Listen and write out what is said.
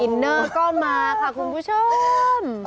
เนอร์ก็มาค่ะคุณผู้ชม